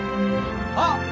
あっ！